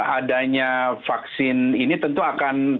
adanya vaksin ini tentu akan